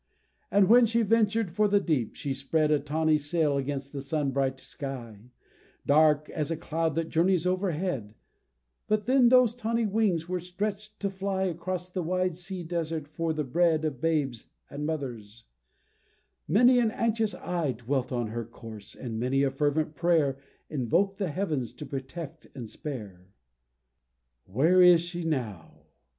And when she ventured for the deep, she spread A tawny sail against the sunbright sky, Dark as a cloud that journeys overhead But then those tawny wings were stretch'd to fly Across the wide sea desert for the bread Of babes and mothers many an anxious eye Dwelt on her course, and many a fervent pray'r Invoked the Heavens to protect and spare. Where is she now?